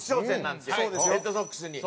レッドソックスに。